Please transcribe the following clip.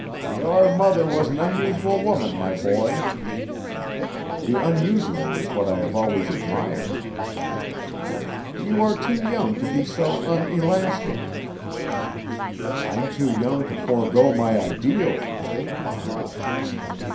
"Your mother was an unusual woman, my boy." "The unusual is what I have always admired." "You are too young to be so unelastic." "I'm too young to forego my ideal, Mr. Devant."